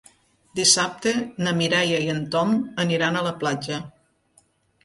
Dissabte na Mireia i en Tom aniran a la platja.